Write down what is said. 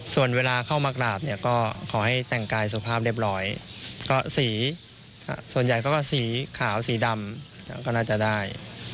ส่วนเวลาเข้ามากราบเนี่ยก็ขอให้แต่งกายสุภาพเรียบร้อยก็สีส่วนใหญ่ก็สีขาวสีดำก็น่าจะได้